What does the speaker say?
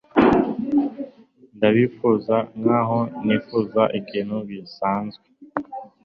ndabifuza nkaho nifuza ikintu gisanzwe